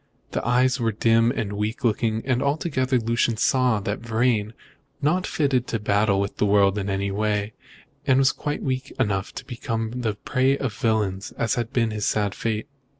The eyes were dim and weak looking, and altogether Lucian saw that Vrain was not fitted to battle with the world in any way, and quite weak enough to become the prey of villains, as had been his sad fate.